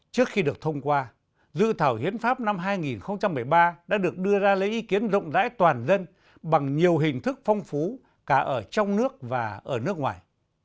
trước khi được thông qua dự thảo hiến pháp năm hai nghìn một mươi ba đã được đưa ra lấy ý kiến rộng rãi toàn dân bằng nhiều hình thức phong phú cả ở trong nước và ở nước ngoài